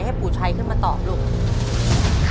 ขอเชิญปูชัยมาตอบชีวิตเป็นคนต่อไปครับ